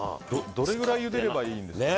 どのぐらい、ゆでればいいんですかね。